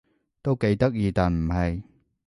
都幾得意但唔係